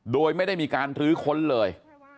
โดยไม่ได้มีการลื้อค้นเลย